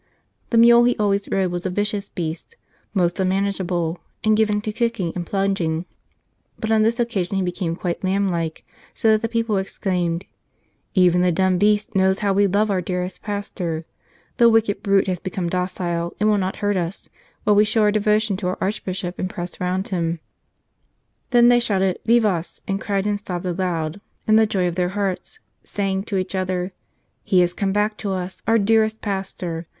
The mule he always rode was a vicious beast, most unmanage able, and given to kicking and plunging ; but on this occasion he became quite lamblike, so that the people exclaimed :" Even the dumb beast knows how we love our dearest pastor ; the wicked brute has become docile and will not hurt us, while we show our devotion to our Archbishop and press round him." Then they 179 St. Charles Borromeo shouted "Vivas!" and cried and sobbed aloud in the joy of their hearts, saying to each other :" He has come back to us, our dearest pastor.